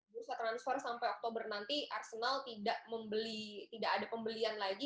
bursa transfer sampai oktober nanti arsenal tidak membeli tidak ada pembelian lagi